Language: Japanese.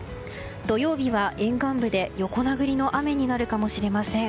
土曜日は沿岸部で横殴りの雨になるかもしれません。